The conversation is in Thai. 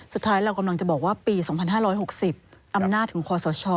สุดท้ายเรากำลังจะบอกว่าปี๒๕๖๐อำนาจของควรสช